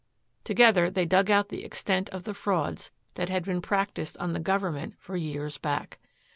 Together they dug out the extent of the frauds that had been practiced on the Government for years back.